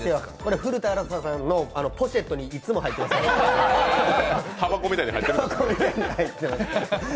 古田新太さんのポシェットにいっつも入ってる。